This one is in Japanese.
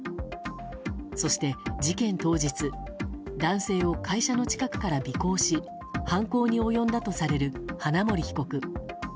そして、事件当日男性を会社の近くから尾行し犯行に及んだとされる花森被告。